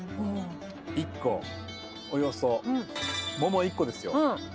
１個およそ桃１個ですよ。